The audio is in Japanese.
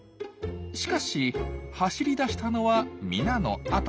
しかし走りだしたのは皆のあと。